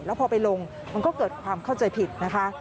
แล้วพอไปลงมันก็เกิดความเข้าใจผิดนะคะ